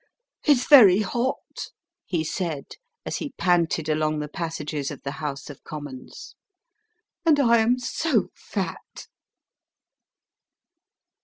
"It's very hot," he said, as he panted along the passages of the House of Commons, "and I am so fat."